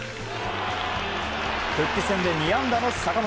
復帰戦で２安打の坂本。